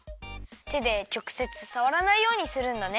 手でちょくせつさわらないようにするんだね。